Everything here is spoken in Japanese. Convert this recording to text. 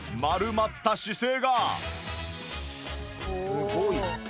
すごい。